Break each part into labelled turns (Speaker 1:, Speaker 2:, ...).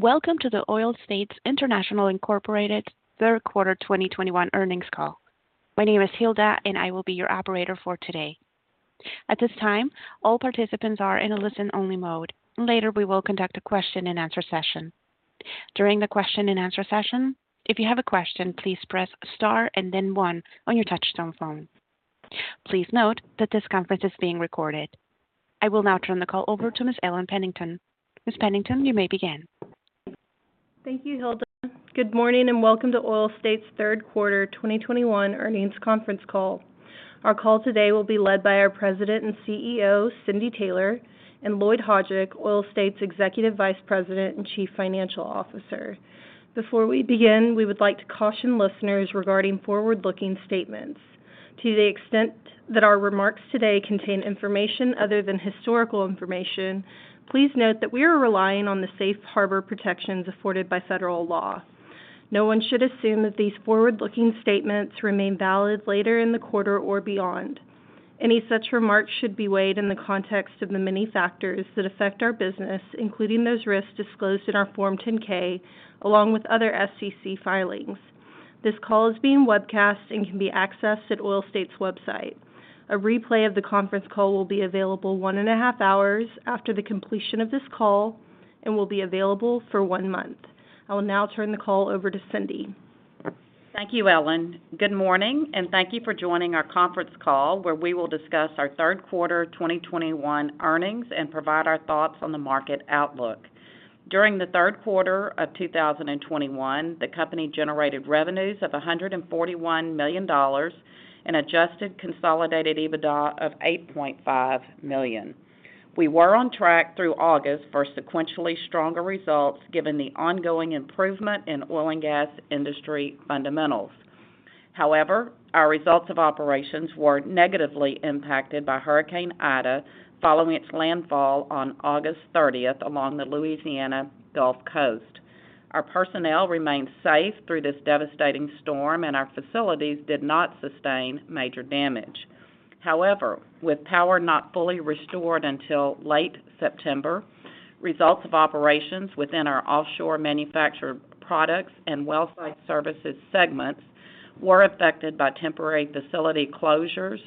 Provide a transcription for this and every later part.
Speaker 1: Welcome to the Oil States International, Inc. Third Quarter 2021 Earnings Call. My name is Hilda and I will be your operator for today. At this time, all participants are in a listen-only mode. Later, we will conduct a question-and-answer session. During the question-and-answer session, if you have a question, please press star and then one on your touchtone phone. Please note that this conference is being recorded. I will now turn the call over to Ms. Ellen Pennington. Ms. Pennington, you may begin.
Speaker 2: Thank you, Hilda. Good morning and welcome to Oil States third quarter 2021 earnings conference call. Our call today will be led by our President and CEO, Cindy Taylor, and Lloyd Hajdik, Oil States Executive Vice President and Chief Financial Officer. Before we begin, we would like to caution listeners regarding forward-looking statements. To the extent that our remarks today contain information other than historical information, please note that we are relying on the safe harbor protections afforded by federal law. No one should assume that these forward-looking statements remain valid later in the quarter or beyond. Any such remarks should be weighed in the context of the many factors that affect our business, including those risks disclosed in our Form 10-K, along with other SEC filings. This call is being webcast and can be accessed at Oil States' website. A replay of the conference call will be available one and a half hours after the completion of this call and will be available for one month. I will now turn the call over to Cindy.
Speaker 3: Thank you, Ellen. Good morning, and thank you for joining our conference call, where we will discuss our third quarter 2021 earnings and provide our thoughts on the market outlook. During the third quarter of 2021, the company generated revenues of $141 million and adjusted consolidated EBITDA of $8.5 million. We were on track through August for sequentially stronger results given the ongoing improvement in oil and gas industry fundamentals. However, our results of operations were negatively impacted by Hurricane Ida following its landfall on August 30 along the Louisiana Gulf Coast. Our personnel remained safe through this devastating storm, and our facilities did not sustain major damage. However, with power not fully restored until late September, results of operations within our Offshore Manufactured Products and Well Site Services segments were affected by temporary facility closures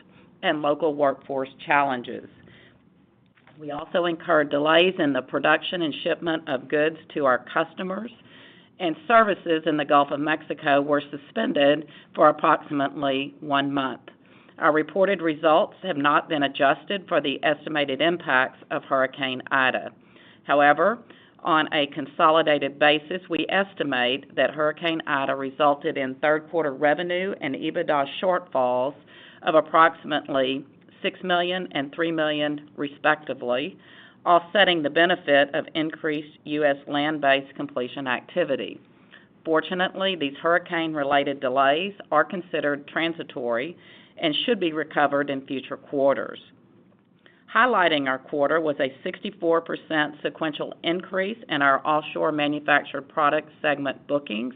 Speaker 3: and local workforce challenges. We also incurred delays in the production and shipment of goods to our customers, and services in the Gulf of Mexico were suspended for approximately one month. Our reported results have not been adjusted for the estimated impacts of Hurricane Ida. However, on a consolidated basis, we estimate that Hurricane Ida resulted in third quarter revenue and EBITDA shortfalls of approximately $6 million and $3 million, respectively, offsetting the benefit of increased U.S. land-based completion activity. Fortunately, these hurricane-related delays are considered transitory and should be recovered in future quarters. Highlighting our quarter was a 64% sequential increase in our Offshore Manufactured Products segment bookings,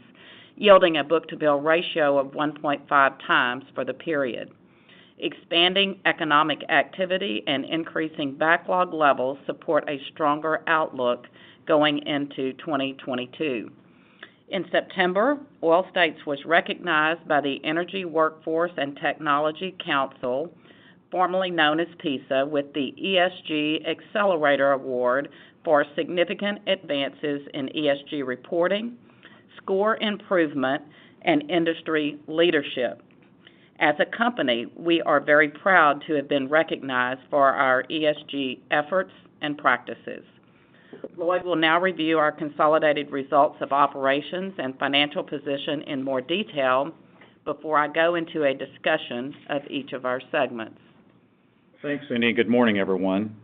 Speaker 3: yielding a book-to-bill ratio of 1.5x for the period. Expanding economic activity and increasing backlog levels support a stronger outlook going into 2022. In September, Oil States was recognized by the Energy Workforce & Technology Council, formerly known as PESA, with the ESG Accelerator Award for significant advances in ESG reporting, score improvement, and industry leadership. As a company, we are very proud to have been recognized for our ESG efforts and practices. Lloyd will now review our consolidated results of operations and financial position in more detail before I go into a discussion of each of our segments.
Speaker 4: Thanks, Cindy. Good morning, everyone.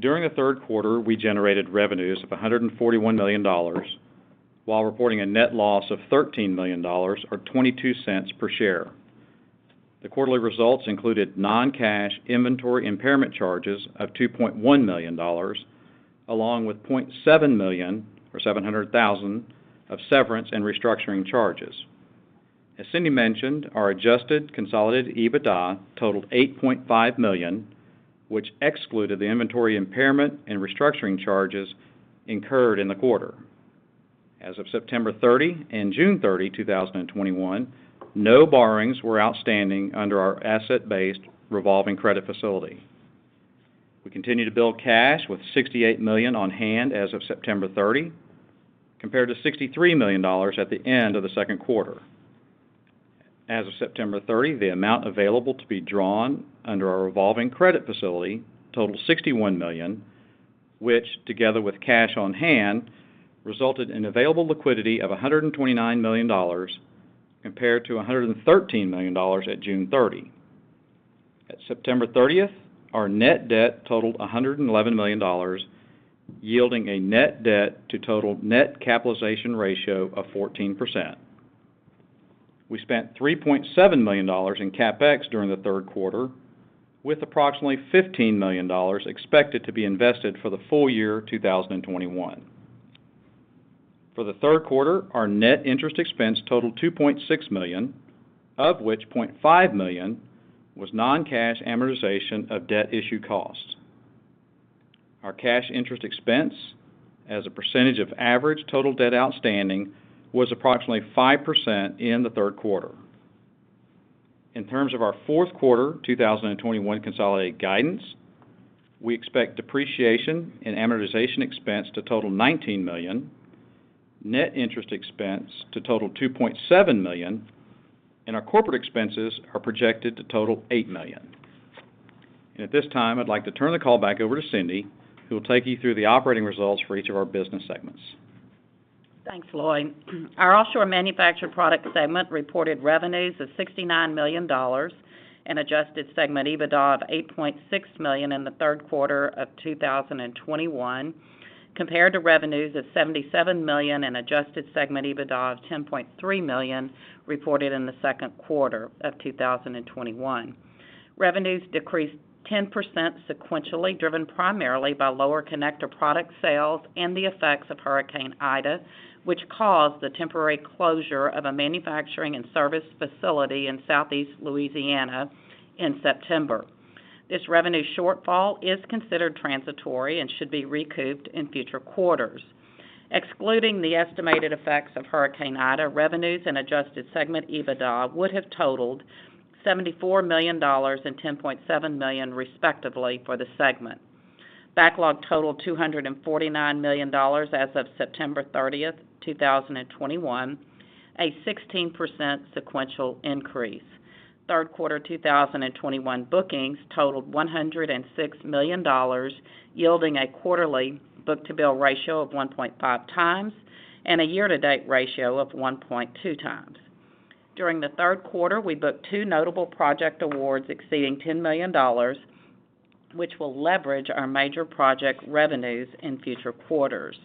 Speaker 4: During the third quarter, we generated revenues of $141 million while reporting a net loss of $13 million or $0.22 cents per share. The quarterly results included non-cash inventory impairment charges of $2.1 million, along with $0.7 million or $700,000 of severance and restructuring charges. As Cindy mentioned, our adjusted consolidated EBITDA totaled $8.5 million, which excluded the inventory impairment and restructuring charges incurred in the quarter. As of September 30 and June 30, 2021, no borrowings were outstanding under our asset-based revolving credit facility. We continue to build cash with $68 million on hand as of September 30, compared to $63 million at the end of the second quarter. As of September 30, the amount available to be drawn under our revolving credit facility totaled $61 million, which together with cash on hand, resulted in available liquidity of $129 million compared to $113 million at June 30. At September 30th, our net debt totaled $111 million, yielding a net debt to total net capitalization ratio of 14%. We spent $3.7 million in CapEx during the third quarter, with approximately $15 million expected to be invested for the full year 2021. For the third quarter, our net interest expense totaled $2.6 million, of which $0.5 million was non-cash amortization of debt issue costs. Our cash interest expense as a percentage of average total debt outstanding was approximately 5% in the third quarter. In terms of our fourth quarter 2021 consolidated guidance, we expect depreciation and amortization expense to total $19 million, net interest expense to total $2.7 million, and our corporate expenses are projected to total $8 million. At this time, I'd like to turn the call back over to Cindy, who will take you through the operating results for each of our business segments.
Speaker 3: Thanks, Lloyd. Our Offshore Manufactured Products segment reported revenues of $69 million and adjusted segment EBITDA of $8.6 million in the third quarter of 2021, compared to revenues of $77 million and adjusted segment EBITDA of $10.3 million reported in the second quarter of 2021. Revenues decreased 10% sequentially, driven primarily by lower connector product sales and the effects of Hurricane Ida, which caused the temporary closure of a manufacturing and service facility in Southeast Louisiana in September. This revenue shortfall is considered transitory and should be recouped in future quarters. Excluding the estimated effects of Hurricane Ida, revenues and adjusted segment EBITDA would have totaled $74 million and $10.7 million, respectively, for the segment. Backlog totaled $249 million as of September 30, 2021, a 16% sequential increase. Third quarter 2021 bookings totaled $106 million, yielding a quarterly book-to-bill ratio of 1.5x and a year-to-date ratio of 1.2x. During the third quarter, we booked two notable project awards exceeding $10 million, which will leverage our major project revenues in future quarters.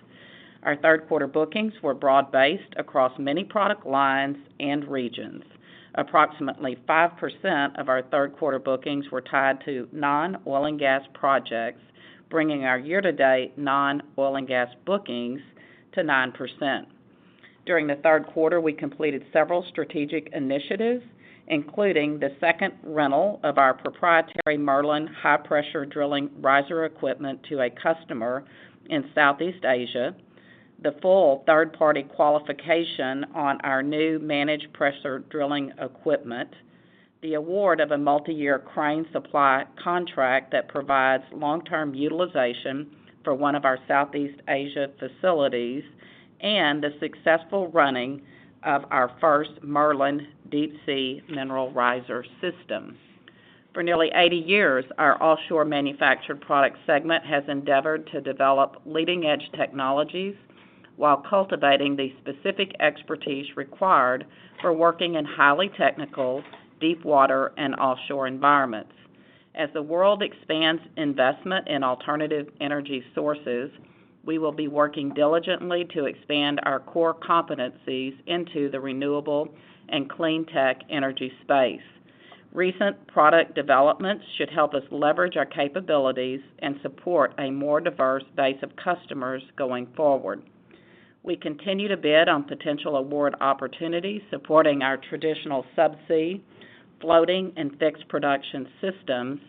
Speaker 3: Our third quarter bookings were broad-based across many product lines and regions. Approximately 5% of our third quarter bookings were tied to non-oil and gas projects, bringing our year-to-date non-oil and gas bookings to 9%. During the third quarter, we completed several strategic initiatives, including the second rental of our proprietary Merlin high-pressure drilling riser equipment to a customer in Southeast Asia, the full third-party qualification on our new managed pressure drilling equipment, the award of a multiyear crane supply contract that provides long-term utilization for one of our Southeast Asia facilities, and the successful running of our first Merlin deep sea mineral riser system. For nearly eighty years, our Offshore Manufactured Products segment has endeavored to develop leading-edge technologies while cultivating the specific expertise required for working in highly technical deepwater and offshore environments. As the world expands investment in alternative energy sources, we will be working diligently to expand our core competencies into the renewable and clean tech energy space. Recent product developments should help us leverage our capabilities and support a more diverse base of customers going forward. We continue to bid on potential award opportunities supporting our traditional subsea, floating, and fixed production systems,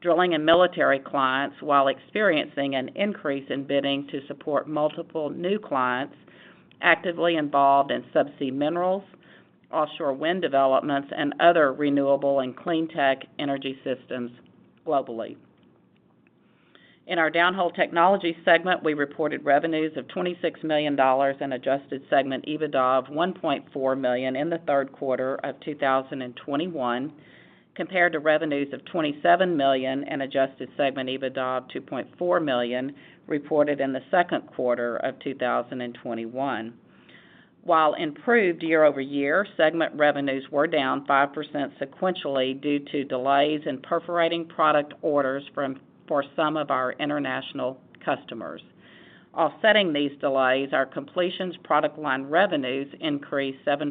Speaker 3: drilling and military clients, while experiencing an increase in bidding to support multiple new clients actively involved in subsea minerals, offshore wind developments, and other renewable and clean tech energy systems globally. In our Downhole Technologies segment, we reported revenues of $26 million and adjusted segment EBITDA of $1.4 million in the third quarter of 2021, compared to revenues of $27 million and adjusted segment EBITDA of $2.4 million reported in the second quarter of 2021. While improved year-over-year, segment revenues were down 5% sequentially due to delays in perforating product orders for some of our international customers. Offsetting these delays, our completions product line revenues increased 7%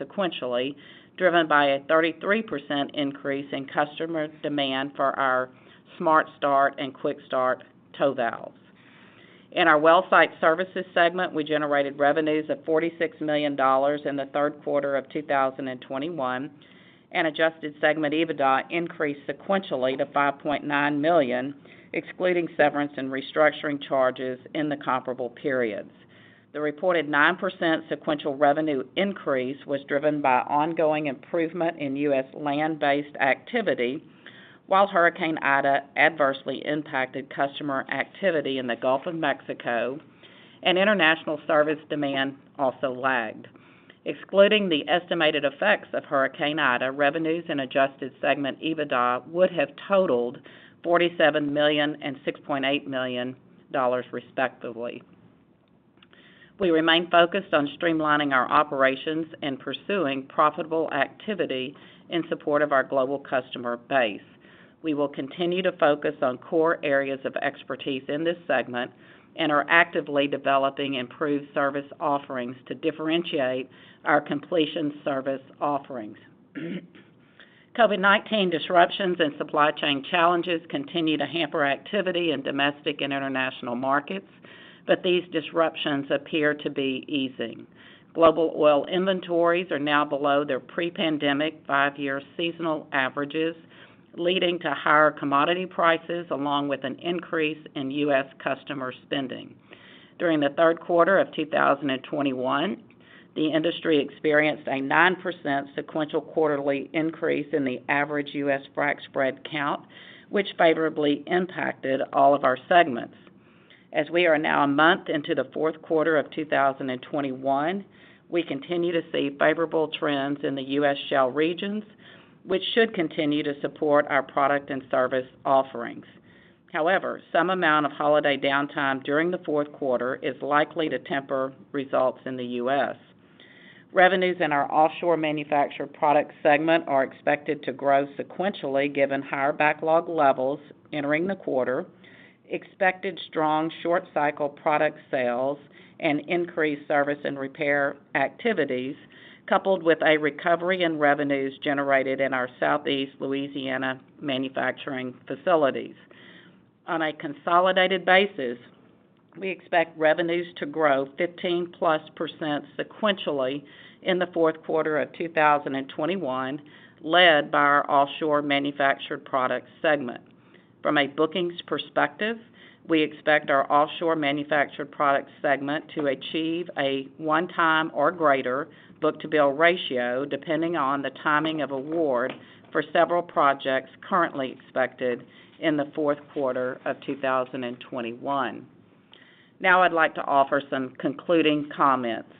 Speaker 3: sequentially, driven by a 33% increase in customer demand for our SmartStart and QuickStart toe valves. In our Well Site Services segment, we generated revenues of $46 million in the third quarter of 2021, and adjusted segment EBITDA increased sequentially to $5.9 million, excluding severance and restructuring charges in the comparable periods. The reported 9% sequential revenue increase was driven by ongoing improvement in U.S. land-based activity, while Hurricane Ida adversely impacted customer activity in the Gulf of Mexico, and international service demand also lagged. Excluding the estimated effects of Hurricane Ida, revenues and adjusted segment EBITDA would have totaled $47 million and $6.8 million, respectively. We remain focused on streamlining our operations and pursuing profitable activity in support of our global customer base. We will continue to focus on core areas of expertise in this segment and are actively developing improved service offerings to differentiate our completion service offerings. COVID-19 disruptions and supply chain challenges continue to hamper activity in domestic and international markets, but these disruptions appear to be easing. Global oil inventories are now below their pre-pandemic five-year seasonal averages, leading to higher commodity prices along with an increase in U.S. customer spending. During the third quarter of 2021, the industry experienced a 9% sequential quarterly increase in the average U.S. frac spread count, which favorably impacted all of our segments. As we are now a month into the fourth quarter of 2021, we continue to see favorable trends in the U.S. shale regions, which should continue to support our product and service offerings. However, some amount of holiday downtime during the fourth quarter is likely to temper results in the U.S. Revenues in our Offshore Manufactured Products segment are expected to grow sequentially, given higher backlog levels entering the quarter, expected strong short cycle product sales, and increased service and repair activities, coupled with a recovery in revenues generated in our Southeast Louisiana manufacturing facilities. On a consolidated basis, we expect revenues to grow 15%+ sequentially in the fourth quarter of 2021, led by our Offshore Manufactured Products segment. From a bookings perspective, we expect our Offshore Manufactured Products segment to achieve a 1x or greater book-to-bill ratio, depending on the timing of award for several projects currently expected in the fourth quarter of 2021. Now I'd like to offer some concluding comments.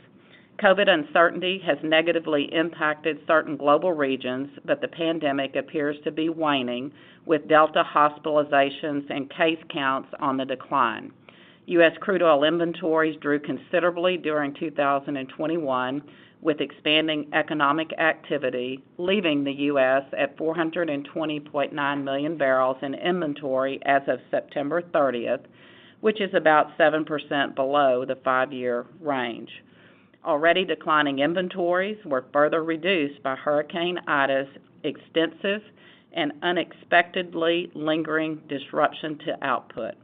Speaker 3: COVID uncertainty has negatively impacted certain global regions, but the pandemic appears to be waning, with Delta hospitalizations and case counts on the decline. U.S. crude oil inventories drew considerably during 2021, with expanding economic activity leaving the U.S. at 420.9 million barrels in inventory as of September 30, which is about 7% below the five-year range. Already declining inventories were further reduced by Hurricane Ida's extensive and unexpectedly lingering disruption to output.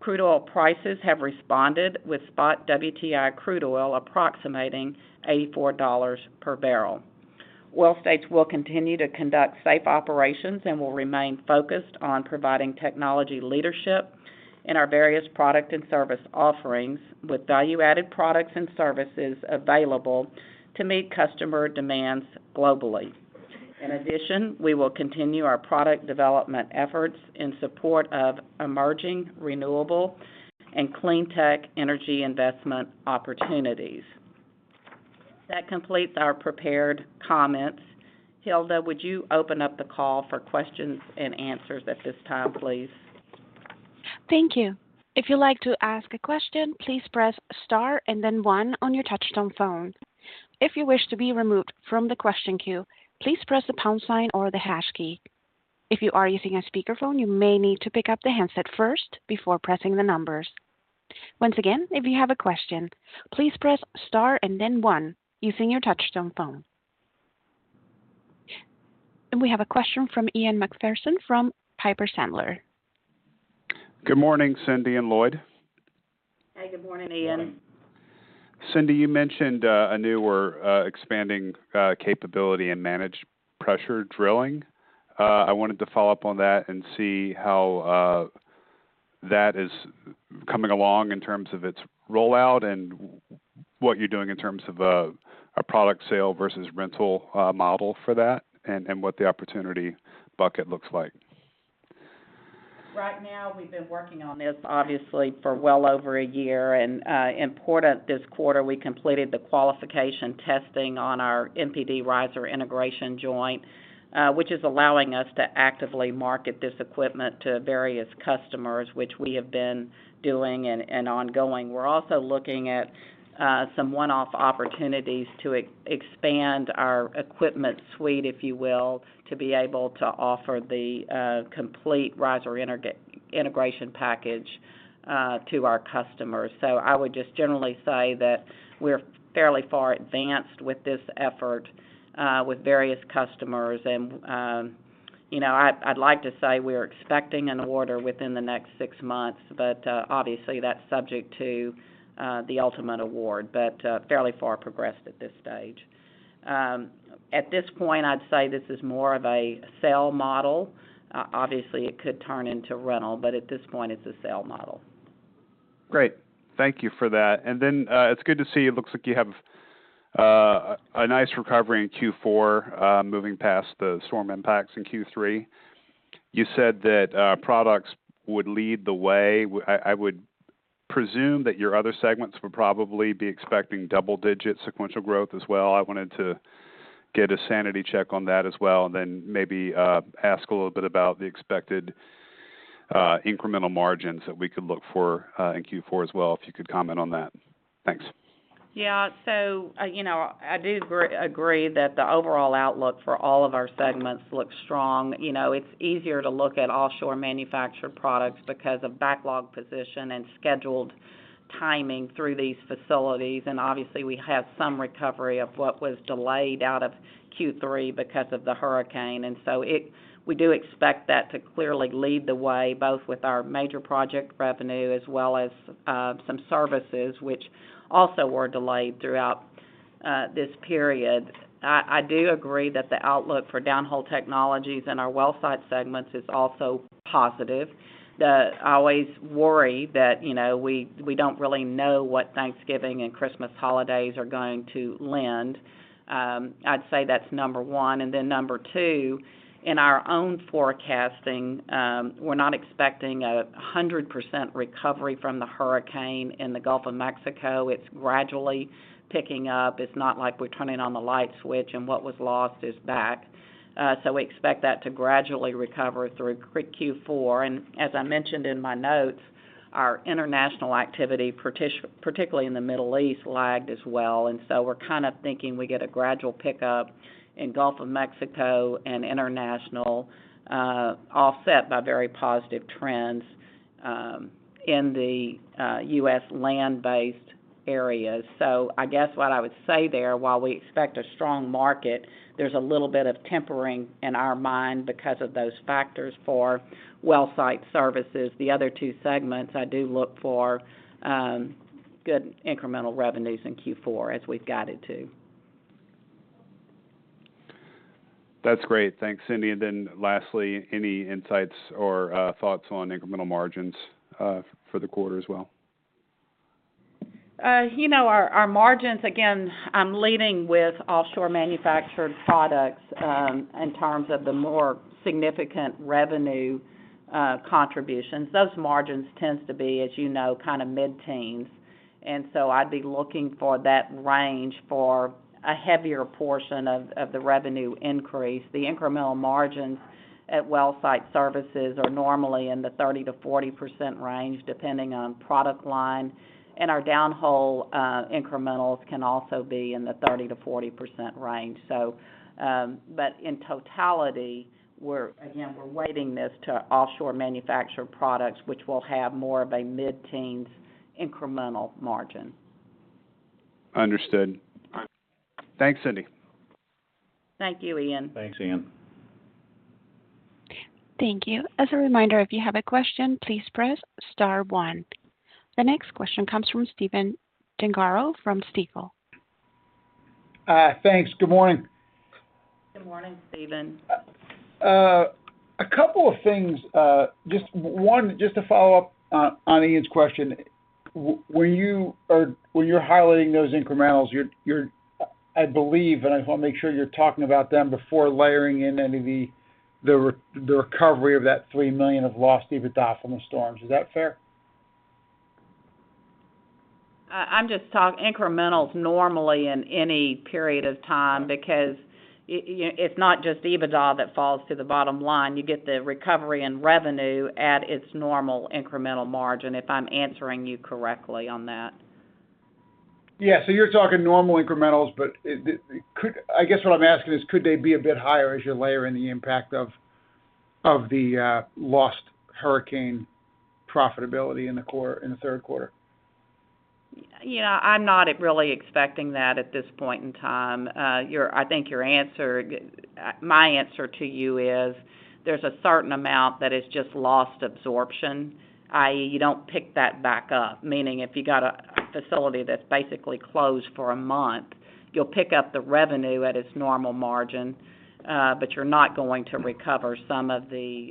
Speaker 3: Crude oil prices have responded with spot WTI crude oil approximating $84 per barrel. Oil States will continue to conduct safe operations and will remain focused on providing technology leadership in our various product and service offerings, with value-added products and services available to meet customer demands globally. In addition, we will continue our product development efforts in support of emerging renewable and clean tech energy investment opportunities. That completes our prepared comments. Hilda, would you open up the call for questions and answers at this time, please?
Speaker 1: Thank you. If you'd like to ask a question, please press star and then one on your touchtone phone. If you wish to be removed from the question queue, please press the pound sign or the hash key. If you are using a speakerphone, you may need to pick up the handset first before pressing the numbers. Once again, if you have a question, please press star and then one using your touchtone phone. We have a question from Ian Macpherson from Piper Sandler.
Speaker 5: Good morning, Cindy and Lloyd.
Speaker 3: Hey, good morning, Ian.
Speaker 5: Cindy, you mentioned a newer expanding capability in managed pressure drilling. I wanted to follow up on that and see how that is coming along in terms of its rollout and what you're doing in terms of a product sale versus rental model for that and what the opportunity bucket looks like.
Speaker 3: Right now, we've been working on this, obviously, for well over a year. Importantly this quarter, we completed the qualification testing on our MPD riser integration joint, which is allowing us to actively market this equipment to various customers, which we have been doing and ongoing. We're also looking at some one-off opportunities to expand our equipment suite, if you will, to be able to offer the complete riser integration package to our customers. I would just generally say that we're fairly far advanced with this effort with various customers. I'd like to say we are expecting an order within the next six months, but obviously that's subject to the ultimate award, but fairly far progressed at this stage. At this point, I'd say this is more of a sale model. Obviously, it could turn into rental, but at this point it's a sale model.
Speaker 5: Great. Thank you for that. It's good to see it looks like you have a nice recovery in Q4, moving past the storm impacts in Q3. You said that products would lead the way. I would presume that your other segments would probably be expecting double-digit sequential growth as well. I wanted to get a sanity check on that as well, and then maybe ask a little bit about the expected incremental margins that we could look for in Q4 as well, if you could comment on that. Thanks.
Speaker 3: You know, I do agree that the overall outlook for all of our segments looks strong. You know, it's easier to look at Offshore Manufactured Products because of backlog position and scheduled timing through these facilities. Obviously, we have some recovery of what was delayed out of Q3 because of the hurricane. We do expect that to clearly lead the way, both with our major project revenue as well as some services which also were delayed throughout this period. I do agree that the outlook for Downhole Technologies and our Well Site segments is also positive. I always worry that, you know, we don't really know what Thanksgiving and Christmas holidays are going to lend. I'd say that's number 1. Number 2, in our own forecasting, we're not expecting 100% recovery from the hurricane in the Gulf of Mexico. It's gradually picking up. It's not like we're turning on the light switch and what was lost is back. We expect that to gradually recover through Q4. As I mentioned in my notes, our international activity, particularly in the Middle East, lagged as well. We're kind of thinking we get a gradual pickup in Gulf of Mexico and international, offset by very positive trends in the U.S. land-based areas. I guess what I would say there, while we expect a strong market, there's a little bit of tempering in our mind because of those factors for Well Site Services. The other two segments, I do look for good incremental revenues in Q4 as we've guided to.
Speaker 5: That's great. Thanks, Cindy. Lastly, any insights or thoughts on incremental margins for the quarter as well?
Speaker 3: You know, our margins, again, I'm leading with Offshore Manufactured Products in terms of the more significant revenue contributions. Those margins tends to be, as you know, kind of mid-teens. I'd be looking for that range for a heavier portion of the revenue increase. The incremental margins at Well Site Services are normally in the 30%-40% range, depending on product line. Our downhole incrementals can also be in the 30%-40% range. In totality, we're, again, we're weighting this to Offshore Manufactured Products, which will have more of a mid-teens incremental margin.
Speaker 5: Understood. Thanks, Cindy.
Speaker 3: Thank you, Ian.
Speaker 4: Thanks, Ian.
Speaker 1: Thank you. As a reminder, if you have a question, please press star one. The next question comes from Stephen Gengaro from Stifel.
Speaker 6: Thanks. Good morning.
Speaker 3: Good morning, Stephen.
Speaker 6: Just one, just to follow up on Ian's question. Were you highlighting those incrementals? I believe, and I want to make sure you're talking about them before layering in any of the recovery of that $3 million of lost EBITDA from the storms. Is that fair?
Speaker 3: I'm just talking incrementals normally in any period of time, because it's not just EBITDA that falls to the bottom line. You get the recovery and revenue at its normal incremental margin, if I'm answering you correctly on that.
Speaker 6: Yeah. You're talking normal incrementals, but could I guess what I'm asking is could they be a bit higher as you layer in the impact of the lost hurricane profitability in the third quarter?
Speaker 3: Yeah, I'm not really expecting that at this point in time. I think your answer, my answer to you is there's a certain amount that is just lost absorption, i.e., you don't pick that back up. Meaning, if you got a facility that's basically closed for a month, you'll pick up the revenue at its normal margin, but you're not going to recover some of the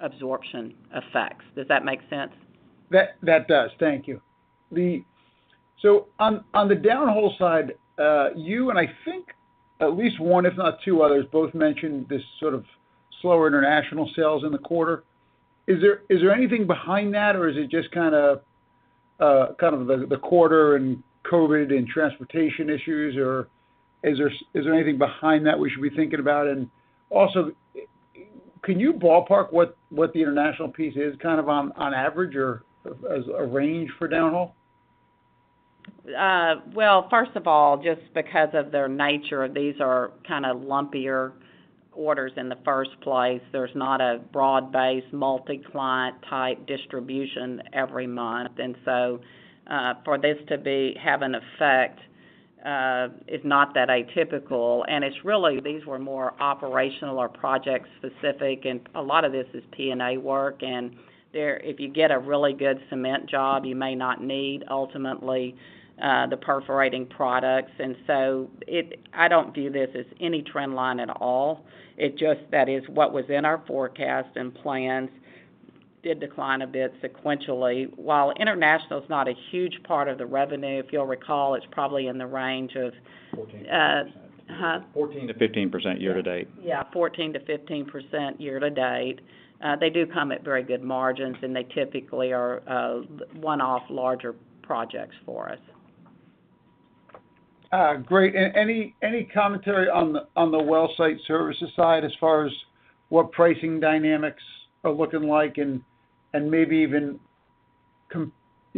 Speaker 3: absorption effects. Does that make sense?
Speaker 6: That does. Thank you. On the downhole side, you and I think at least one, if not two others, both mentioned this sort of slower international sales in the quarter. Is there anything behind that, or is it just kind of the quarter and COVID and transportation issues, or is there anything behind that we should be thinking about? Also, can you ballpark what the international piece is kind of on average or as a range for downhole?
Speaker 3: Well, first of all, just because of their nature, these are kind of lumpier orders in the first place. There's not a broad-based, multi-client type distribution every month. For this to have an effect is not that atypical. It's really these were more operational or project specific, and a lot of this is P&A work. If you get a really good cement job, you may not need ultimately the perforating products. I don't view this as any trend line at all. It just that is what was in our forecast and plans did decline a bit sequentially. While international is not a huge part of the revenue, if you'll recall, it's probably in the range of,
Speaker 4: 14%-15% year to date.
Speaker 3: Yeah. 14%-15% year to date. They do come at very good margins, and they typically are one-off larger projects for us.
Speaker 6: Great. Any commentary on the Well Site Services side as far as what pricing dynamics are looking like and maybe even you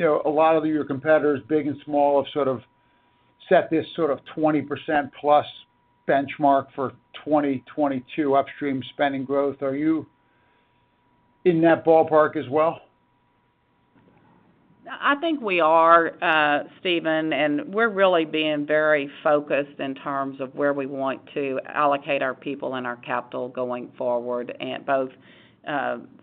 Speaker 6: know, a lot of your competitors, big and small, have sort of set this sort of 20%+ benchmark for 2022 upstream spending growth. Are you in that ballpark as well?
Speaker 3: I think we are, Stephen, and we're really being very focused in terms of where we want to allocate our people and our capital going forward in both,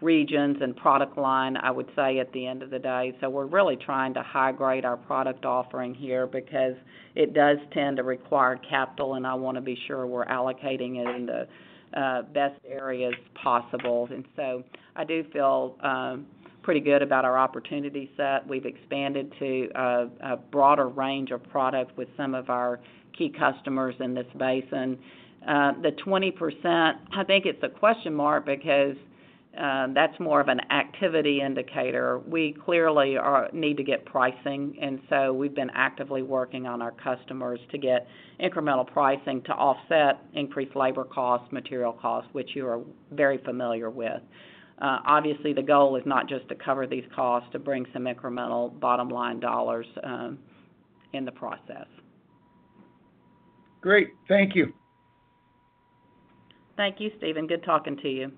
Speaker 3: regions and product line, I would say at the end of the day. We're really trying to high grade our product offering here because it does tend to require capital, and I wanna be sure we're allocating it in the best areas possible. I do feel pretty good about our opportunity set. We've expanded to a broader range of products with some of our key customers in this basin. The 20%, I think it's a question mark because, that's more of an activity indicator. We clearly need to get pricing, and so we've been actively working on our customers to get incremental pricing to offset increased labor costs, material costs, which you are very familiar with. Obviously, the goal is not just to cover these costs, to bring some incremental bottom-line dollars, in the process.
Speaker 6: Great. Thank you.
Speaker 3: Thank you, Stephen. Good talking to you.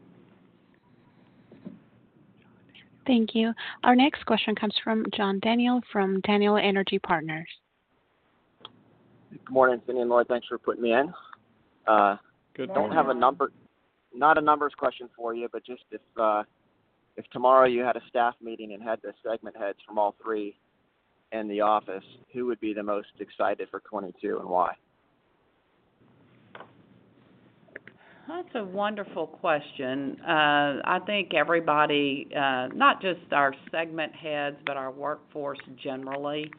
Speaker 1: Thank you. Our next question comes from John Daniel from Daniel Energy Partners.
Speaker 7: Good morning, Cindy and Lloyd. Thanks for putting me in.
Speaker 3: Good morning.
Speaker 7: I don't have a numbers question for you, but just if tomorrow you had a staff meeting and had the segment heads from all three in the office, who would be the most excited for 2022 and why?
Speaker 3: That's a wonderful question. I think everybody, not just our segment heads, but our workforce generally,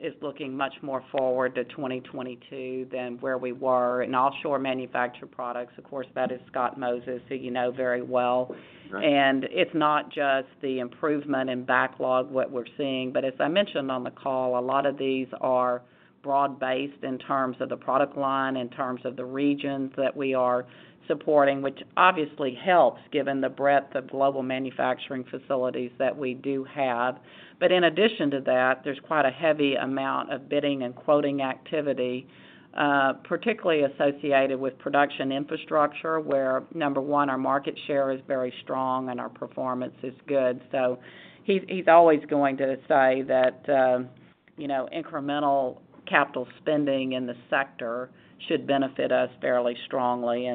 Speaker 3: is looking much more forward to 2022 than where we were in Offshore Manufactured Products. Of course, that is Scott Moses, who you know very well.
Speaker 7: Right.
Speaker 3: It's not just the improvement in backlog what we're seeing. As I mentioned on the call, a lot of these are broad-based in terms of the product line, in terms of the regions that we are supporting, which obviously helps given the breadth of global manufacturing facilities that we do have. In addition to that, there's quite a heavy amount of bidding and quoting activity, particularly associated with production infrastructure, where, number 1, our market share is very strong and our performance is good. He's always going to say that, you know, incremental capital spending in the sector should benefit us fairly strongly.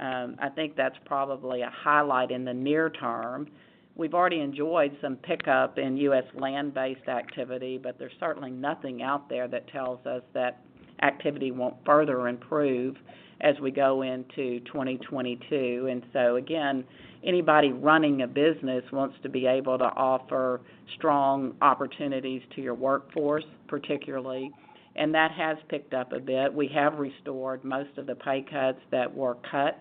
Speaker 3: I think that's probably a highlight in the near term. We've already enjoyed some pickup in U.S. land-based activity, but there's certainly nothing out there that tells us that activity won't further improve as we go into 2022. Again, anybody running a business wants to be able to offer strong opportunities to your workforce, particularly, and that has picked up a bit. We have restored most of the pay cuts that were cut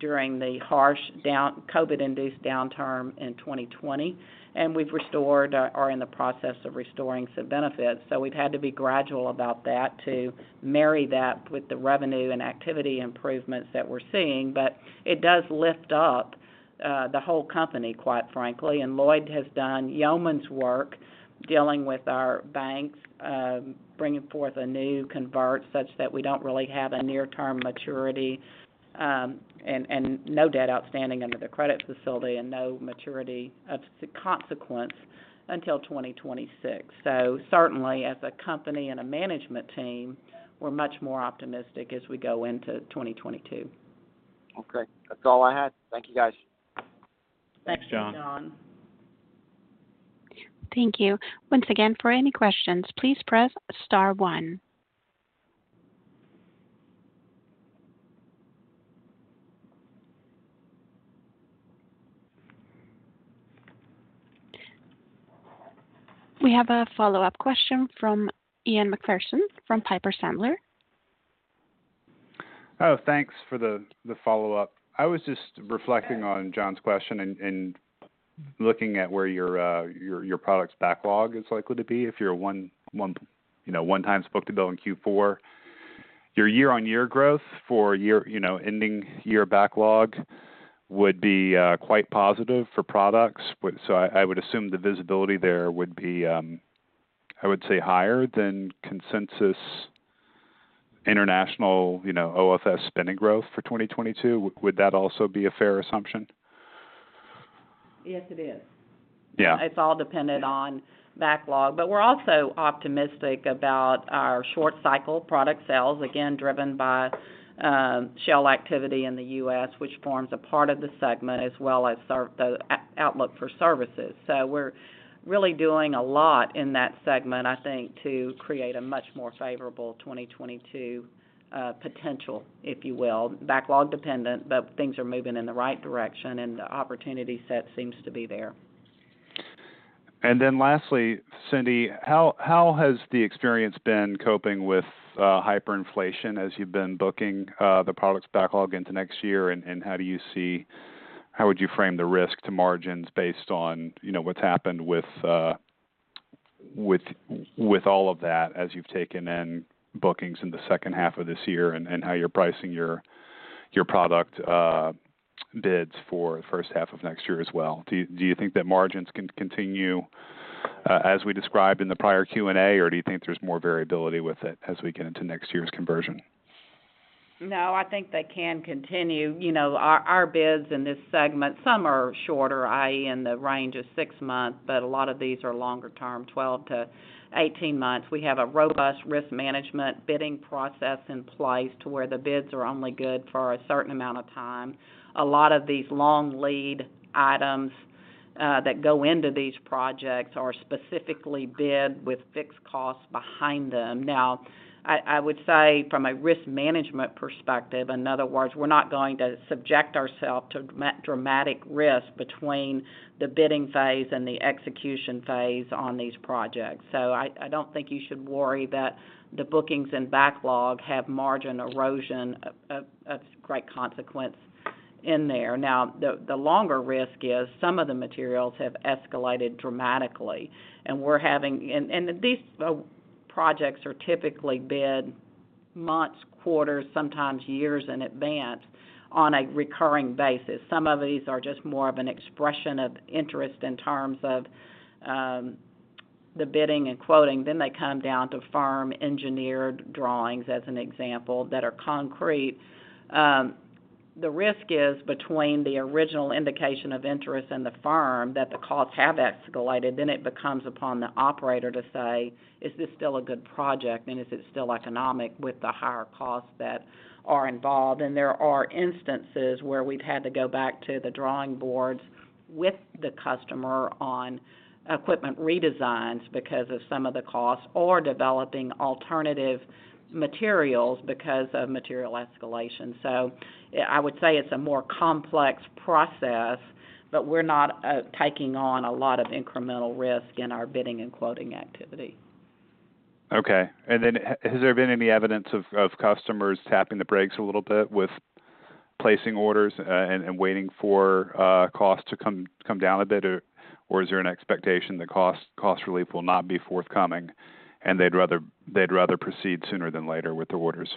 Speaker 3: during the harsh COVID-induced downturn in 2020, and we've restored or are in the process of restoring some benefits. We've had to be gradual about that to marry that with the revenue and activity improvements that we're seeing. It does lift up the whole company, quite frankly. Lloyd has done yeoman's work dealing with our banks, bringing forth a new convertible such that we don't really have a near-term maturity, and no debt outstanding under the credit facility and no maturity of consequence until 2026. Certainly as a company and a management team, we're much more optimistic as we go into 2022.
Speaker 7: Okay. That's all I had. Thank you guys.
Speaker 3: Thanks, John.
Speaker 1: Thank you. Once again, for any questions, please press star one. We have a follow-up question from Ian MacPherson from Piper Sandler.
Speaker 5: Oh, thanks for the follow-up. I was just reflecting on John's question and looking at where your products backlog is likely to be if you're a one-time book-to-bill in Q4. Your year-on-year growth for year ending year backlog would be quite positive for products. I would assume the visibility there would be higher than consensus international OFS spending growth for 2022. Would that also be a fair assumption?
Speaker 3: Yes, it is.
Speaker 5: Yeah.
Speaker 3: It's all dependent on backlog. We're also optimistic about our short cycle product sales, again, driven by Shell activity in the U.S., which forms a part of the segment as well as the outlook for services. We're really doing a lot in that segment, I think, to create a much more favorable 2022 potential, if you will. Backlog dependent, but things are moving in the right direction and the opportunity set seems to be there.
Speaker 5: Lastly, Cindy, how has the experience been coping with hyperinflation as you've been booking the products backlog into next year, and how would you frame the risk to margins based on what's happened with all of that as you've taken in bookings in the second half of this year and how you're pricing your product bids for the first half of next year as well? Do you think that margins can continue as we described in the prior Q&A, or do you think there's more variability with it as we get into next year's conversion?
Speaker 3: No, I think they can continue. You know, our bids in this segment, some are shorter, i.e., in the range of six months, but a lot of these are longer term, 12-18 months. We have a robust risk management bidding process in place to where the bids are only good for a certain amount of time. A lot of these long lead items that go into these projects are specifically bid with fixed costs behind them. Now, I would say from a risk management perspective, in other words, we're not going to subject ourselves to dramatic risk between the bidding phase and the execution phase on these projects. I don't think you should worry that the bookings and backlog have margin erosion of great consequence in there. Now, the longer risk is some of the materials have escalated dramatically. These projects are typically bid months, quarters, sometimes years in advance on a recurring basis. Some of these are just more of an expression of interest in terms of the bidding and quoting. They come down to firm engineered drawings, as an example, that are concrete. The risk is between the original indication of interest and the firm that the costs have escalated, then it becomes upon the operator to say, "Is this still a good project, and is it still economic with the higher costs that are involved?" There are instances where we've had to go back to the drawing boards with the customer on equipment redesigns because of some of the costs or developing alternative materials because of material escalation. I would say it's a more complex process, but we're not taking on a lot of incremental risk in our bidding and quoting activity.
Speaker 5: Okay. Has there been any evidence of customers tapping the brakes a little bit with placing orders, and waiting for costs to come down a bit, or is there an expectation the cost relief will not be forthcoming, and they'd rather proceed sooner than later with the orders?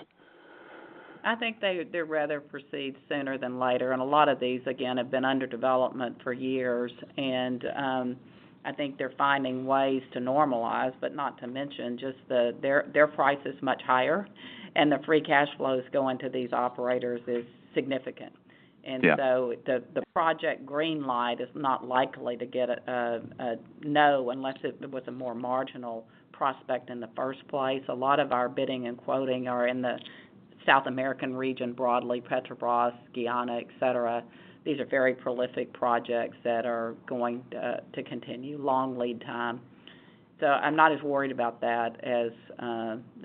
Speaker 3: I think they'd rather proceed sooner than later. A lot of these, again, have been under development for years. I think they're finding ways to normalize, but not to mention their price is much higher, and the free cash flows going to these operators is significant.
Speaker 5: Yeah.
Speaker 3: The project green light is not likely to get a no unless it was a more marginal prospect in the first place. A lot of our bidding and quoting are in the South American region broadly, Petrobras, Guyana, et cetera. These are very prolific projects that are going to continue long lead time. I'm not as worried about that as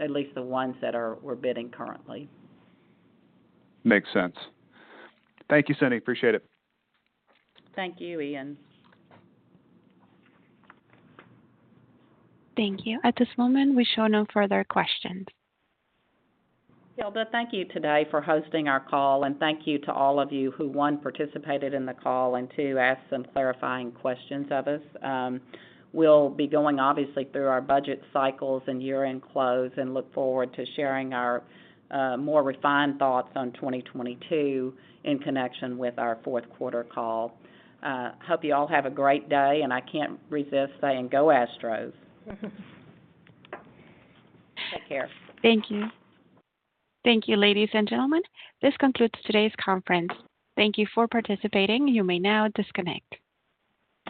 Speaker 3: at least the ones that we're bidding currently.
Speaker 5: Makes sense. Thank you, Cindy. Appreciate it.
Speaker 3: Thank you, Ian.
Speaker 1: Thank you. At this moment, we show no further questions.
Speaker 3: Hilda, thank you today for hosting our call, and thank you to all of you who, one, participated in the call, and two, asked some clarifying questions of us. We'll be going obviously through our budget cycles and year-end close and look forward to sharing our more refined thoughts on 2022 in connection with our fourth quarter call. Hope you all have a great day, and I can't resist saying go Astros. Take care.
Speaker 1: Thank you. Thank you, ladies and gentlemen. This concludes today's conference. Thank you for participating. You may now disconnect.